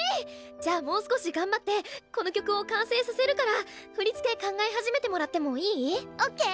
じゃあもう少し頑張ってこの曲を完成させるから振り付け考え始めてもらってもいい？ＯＫ！